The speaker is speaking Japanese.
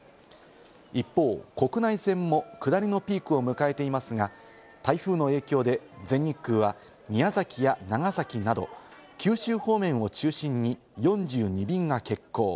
一方、国内線も下りのピークを迎えていますが、台風の影響で、全日空は宮崎や長崎など九州方面を中心に４２便が欠航。